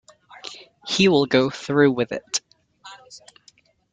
He will go through with it.